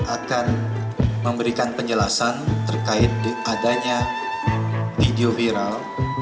akan memberikan penjelasan terkait adanya video viral